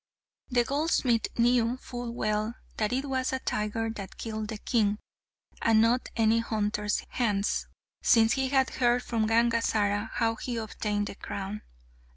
The goldsmith knew full well that it was a tiger that killed the king, and not any hunter's hands, since he had heard from Gangazara how he obtained the crown.